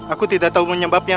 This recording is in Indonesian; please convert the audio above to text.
aku tidak tahu menyebabnya